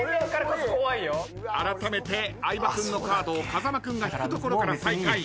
あらためて相葉君のカードを風間君が引くところから再開。